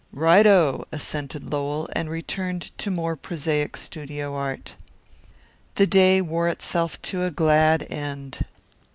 "Right o!" assented Lowell, and returned to more prosaic studio art. The day wore itself to a glad end.